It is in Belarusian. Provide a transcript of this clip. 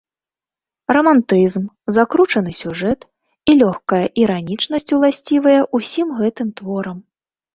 Рамантызм, закручаны сюжэт і лёгкая іранічнасць уласцівыя ўсім гэтым творам.